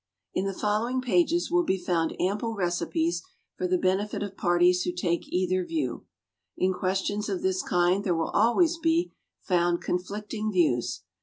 In the following pages will be found ample recipes for the benefit of parties who take either view. In questions of this kind there will always be found conflicting views.